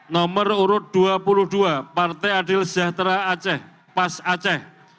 nomor urut dua puluh dua partai adil sejahtera aceh pas aceh